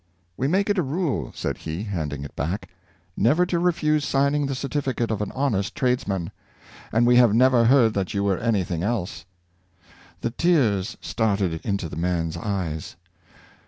" We make it a rule," said he, handing it back, " never to refiase signing the certificate of an honest tradesman, and we have never heard that you were any thing else." The tears started into the man's eyes.